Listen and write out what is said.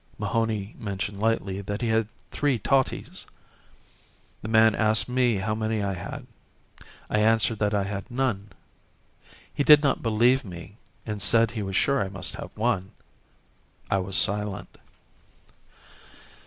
Mahony mentioned lightly that he had three totties. The man asked me how many had I. I answered that I had none. He did not believe me and said he was sure I must have one. I was silent.